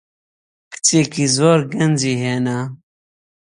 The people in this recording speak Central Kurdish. کچێکی زۆر گەنجی هێنا.